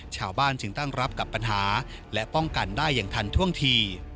ชาวบ้านจึงตั้งรับกับปัญหาและป้องกันได้อย่างทันท่วงที